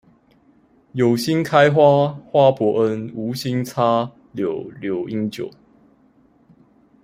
有新開花花伯恩、無心插柳柳英九